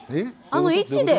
あの位置で？